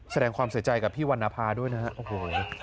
แสดงความเสียใจกับพี่วันนภาด้วยนะฮะ